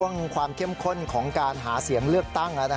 ความเข้มข้นของการหาเสียงเลือกตั้ง